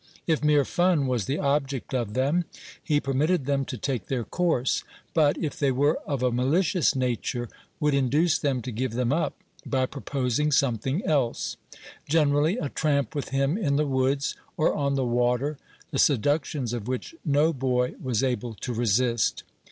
If mere fun was the object of them, he permitted them to take their course, but, if they were of a malicious nature, would induce them to give them up, by proposing something else, generally a tramp with him in the woods, or on the water, the seductions of which no boy was able to resist.